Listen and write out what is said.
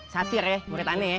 satir ya murid aneh